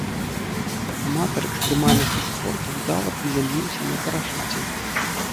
Аматар экстрэмальнага спорту ўдала прызямліўся на парашуце.